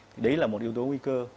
thì đấy là một yếu tố nguy cơ